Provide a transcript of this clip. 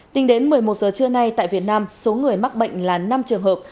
tính đến một mươi một giờ trưa nay tại việt nam số người mắc bệnh là năm trường hợp